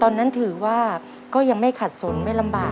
ตอนนั้นถือว่าก็ยังไม่ขัดสนไม่ลำบาก